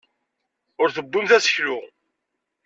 Ur tebbimt aseklu.